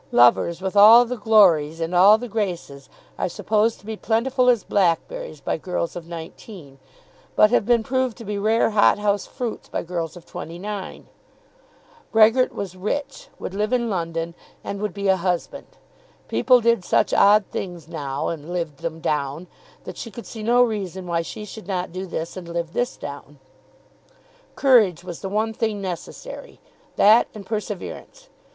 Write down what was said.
Lovers with all the glories and all the graces are supposed to be plentiful as blackberries by girls of nineteen, but have been proved to be rare hothouse fruits by girls of twenty nine. Brehgert was rich, would live in London, and would be a husband. People did such odd things now and "lived them down," that she could see no reason why she should not do this and live this down. Courage was the one thing necessary, that and perseverance.